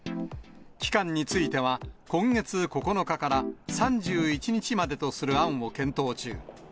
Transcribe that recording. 期間については、今月９日から３１日までとする案を検討中。